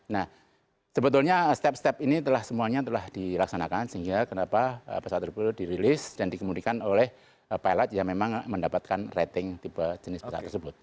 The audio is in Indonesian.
nah sebetulnya step step ini semuanya telah dilaksanakan sehingga kenapa pesawat terpuru dirilis dan dikemudikan oleh pilot yang memang mendapatkan rating tipe jenis pesawat tersebut